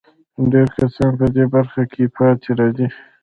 ډېر کسان په دې برخه کې پاتې راځي.